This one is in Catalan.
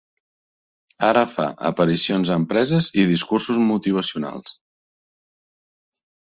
Ara fa aparicions a empreses i discursos motivacionals.